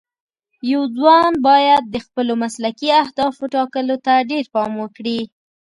یو ځوان باید د خپلو مسلکي اهدافو ټاکلو ته ډېر پام وکړي.